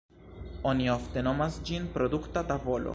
Oni ofte nomas ĝin produkta tavolo.